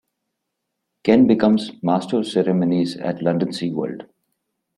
Ken becomes Master of Ceremonies at London Sea World.